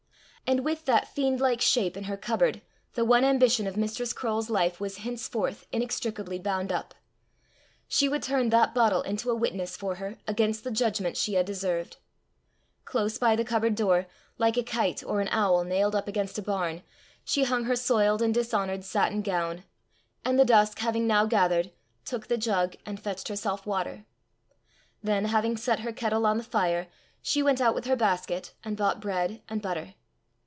And with that fiend like shape in her cupboard the one ambition of Mistress Croale's life was henceforth inextricably bound up: she would turn that bottle into a witness for her against the judgment she had deserved. Close by the cupboard door, like a kite or an owl nailed up against a barn, she hung her soiled and dishonoured satin gown; and the dusk having now gathered, took the jug, and fetched herself water. Then, having set her kettle on the fire, she went out with her basket, and bought bread, and butter.